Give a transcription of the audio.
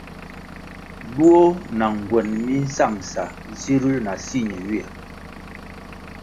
Duo na ngwen mi nsangʼsa zirū na si ñenywia.